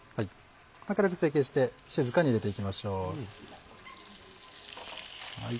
軽く成形して静かに入れていきましょう。